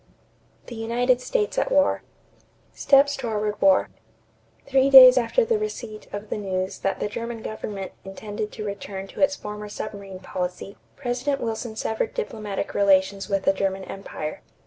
THE UNITED STATES AT WAR =Steps toward War.= Three days after the receipt of the news that the German government intended to return to its former submarine policy, President Wilson severed diplomatic relations with the German empire.